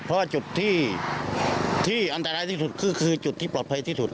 เพราะว่าจุดที่อันตรายที่สุดก็คือจุดที่ปลอดภัยที่สุด